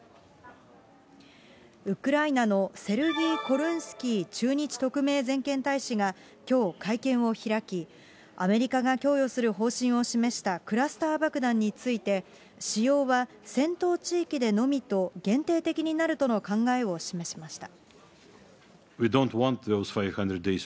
ウクライナのセルビー・コルンスキー駐日特命全権大使がきょう会見を開き、アメリカが供与する方針を示したクラスター爆弾について、使用は戦闘地域でのみと限定的になるとの考えを示しました。